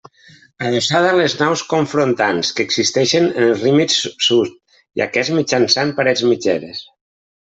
Adossada a les naus confrontants que existeixen en els límits sud i aquest, mitjançant parets mitgeres.